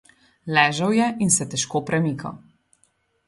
Ležal je in se težko premikal.